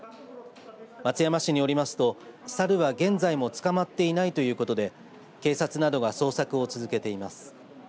松山市によりますとサルは現在も捕まっていないということで警察などが捜索を続けています。